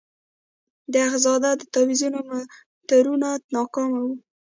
د اخندزاده د تاویزونو منترونه ناکامه وو.